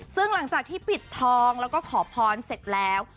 ซึ่งหลังจากที่ปิดทองแล้วก็ขอพรเสร็จแล้ว